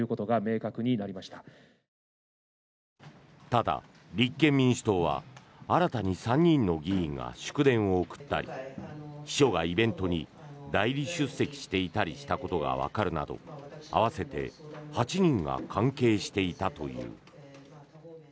ただ立憲民主党は新たに３人の議員が祝電を送ったり秘書がイベントに代理出席していたりしたことがわかるなど合わせて８人が関係していたという。